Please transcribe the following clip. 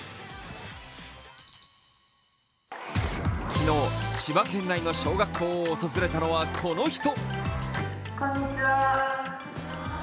昨日、千葉県内の小学校を訪れたのはこの人。